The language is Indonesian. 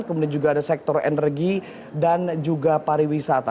kemudian juga ada sektor energi dan juga pariwisata